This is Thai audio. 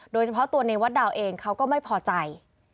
โดยเฉพาะตัวในวัดดาวเองเขาก็ไม่พอใจ